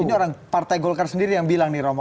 ini orang partai golkar sendiri yang bilang nih romo